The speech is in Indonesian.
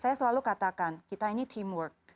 saya selalu katakan kita ini teamwork